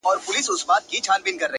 د ژوند كولو د ريښتني انځور،